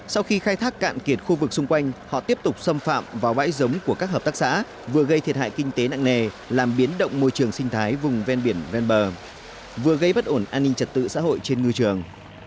sau khi khai thác cạn kiệt khu vực xung quanh họ tiếp tục xâm phạm vào bãi giống của các hợp tác xã vừa gây thiệt hại kinh tế nặng nề làm biến động môi trường sinh thái vùng ven biển ven bờ vừa gây bất ổn an ninh trật tự xã hội trên ngư trường